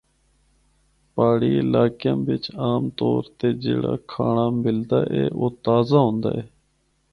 پہاڑی علاقیاں بچ عام طور تے جڑا کھانڑا ملدا اے او تازہ ہوندا ہے۔